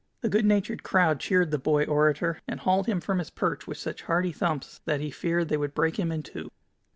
The good natured crowd cheered the boy orator, and hauled him from his perch with such hearty thumps that he feared they would break him in two.